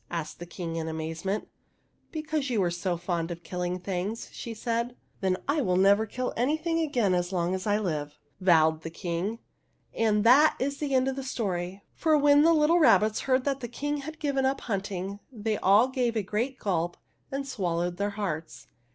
" asked the King, in amazement " Because you were so fond of killing things," she said. '' Then I will never kill anything again as long as I live !" vowed the King. And that is the end of the story, for when the little rabbits heard that the King had given up hunting, they all gave a great gulp and swallowed their hearts.